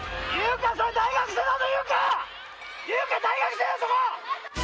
祐香大学生だそこ！